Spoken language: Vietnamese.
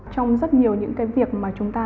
trong rất nhiều những cái việc mà chúng ta